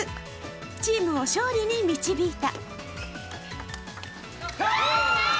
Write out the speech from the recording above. チームを勝利に導いた。